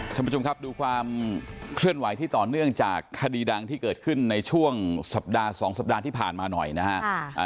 ท่านผู้ชมครับดูความเคลื่อนไหวที่ต่อเนื่องจากคดีดังที่เกิดขึ้นในช่วงสัปดาห์๒สัปดาห์ที่ผ่านมาหน่อยนะครับ